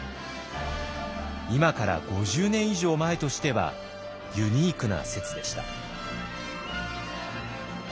今から５０年以上前としてはユニークな説でした。